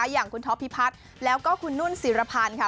อย่างคุณท็อปพิพัฒน์แล้วก็คุณนุ่นศิรพันธ์ค่ะ